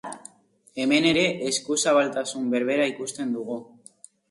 Hemen ere eskuzabaltasun berbera ikusten dugu.